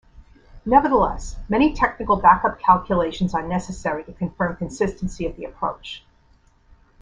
Nevertheless, many technical back up calculations are necessary to confirm consistency of the approach.